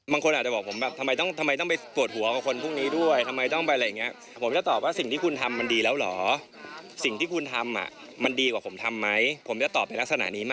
เรื่องของการทำความดีค่ะอะไรที่ทำแล้วดีต่อคนอื่นนะ